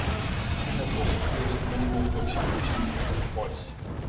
He has also created many more books with Jim Wiese.